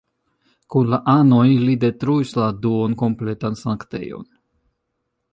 Kun la anoj, li detruis la duon-kompletan sanktejon.